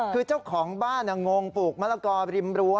คือเจ้าของบ้านงงปลูกมะละกอริมรั้